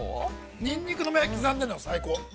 ◆ニンニクの芽を刻んでいるのが、最高。